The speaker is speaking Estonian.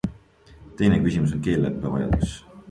Teine küsimus on keeleõppe vajadus.